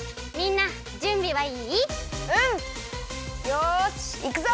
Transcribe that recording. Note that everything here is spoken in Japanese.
よしいくぞ！